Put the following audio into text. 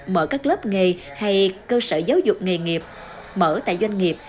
mở các lớp nghề hay cơ sở giáo dục nghề nghiệp mở tại doanh nghiệp